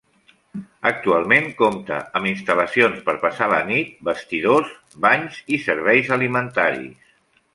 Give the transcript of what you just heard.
Actualment compta amb instal·lacions per passar la nit, vestidors, banys i serveis alimentaris.